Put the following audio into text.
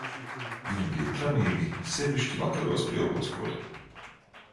Viņi bija tramīgi, sevišķi vakaros pie ugunskura.